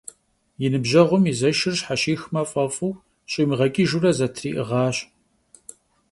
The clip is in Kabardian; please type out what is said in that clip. И ныбжьэгъум и зэшыр щхьэщихмэ фӏэфӏу, щӏимыгъэкӏыжурэ зэтриӏыгъащ.